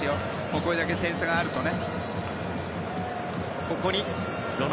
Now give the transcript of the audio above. これだけ点差があるとね。